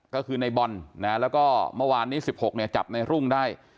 ก็คือในบอลแล้วก็เมื่อวานนี้๑๖เนี่ยจับในรุ่งได้